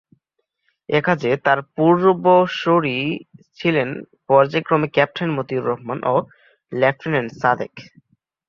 এ কাজে তার পূর্বসূরী ছিলেন পর্যায়ক্রমে ক্যাপ্টেন মতিউর রহমান ও লেফটেন্যান্ট সাদেক।